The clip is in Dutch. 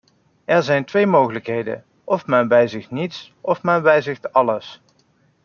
Er zijn twee mogelijkheden: of men wijzigt niets of men wijzigt alles.